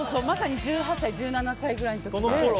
まさに１８歳、１７歳ぐらいの時で。